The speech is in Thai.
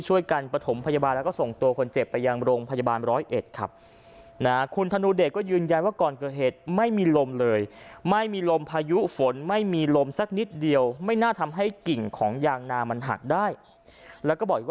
ประถมพยาบาลแล้วก็ส่งตัวคนเจ็บไปยังโรงพยาบาลร้อยเอ็ดครับ